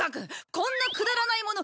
こんなくだらないもの